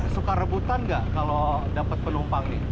suka rebutan nggak kalau dapat penumpang nih